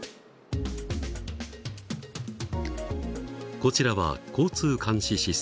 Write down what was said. こちらは交通監視システム。